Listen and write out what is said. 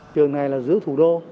trường này là giữ thủ đô